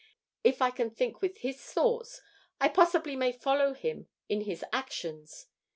If I can think with his thoughts, I possibly may follow him in his actions.